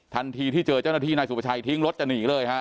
ทันทีที่เจอเจ้าหน้าที่นายสุภาชัยทิ้งรถจะหนีเลยฮะ